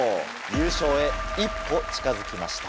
優勝へ一歩近づきました。